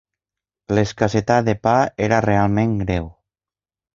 L'escassetat de pa era realment greu.